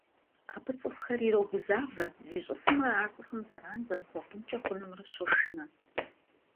Абы цӀыхухэр ирогузавэ, зищӀысымрэ ар цӀыхум зэран зэрыхуэхъункӀэ хъунумрэ щошынэ.